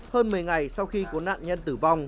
hơn một mươi ngày sau khi có nạn nhân tử vong